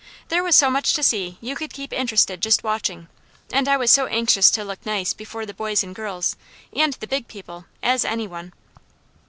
There was so much to see you could keep interested just watching, and I was as anxious to look nice before the boys and girls, and the big people, as any one.